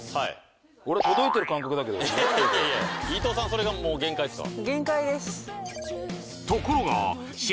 俺いやいや伊藤さんそれがもう限界ですか？